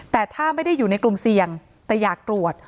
แต่ถ้าไม่ได้อยู่ในกลุ่มเสี่ยงแต่อยากตรวจ